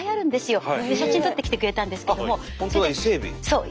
そう。